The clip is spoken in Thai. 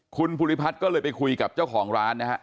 คุณภูริพัฒน์ก็เลยไปคุยกับเจ้าของร้านนะฮะ